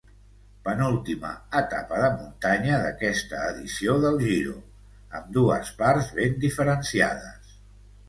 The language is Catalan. Penúltima etapa de muntanya d'aquesta edició del Giro, amb dues parts ben diferenciades.